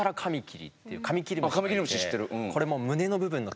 あっカミキリムシ知ってる。